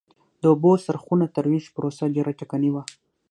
د اوبو څرخونو ترویج پروسه ډېره ټکنۍ وه